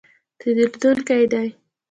تېرېدونکی دی